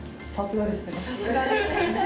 ・さすがですね。